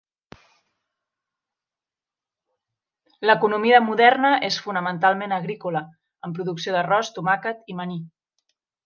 L'economia moderna és fonamentalment agrícola, amb producció d'arròs, tomàquet i maní.